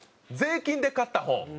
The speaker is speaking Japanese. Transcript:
『税金で買った本』。